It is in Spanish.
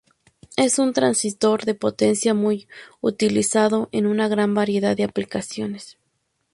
Es un transistor de potencia muy utilizado en una gran variedad de aplicaciones.